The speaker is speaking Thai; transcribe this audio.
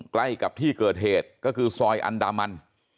ใกล้กับที่เกิดเหตุก็คือซอยอันดามัน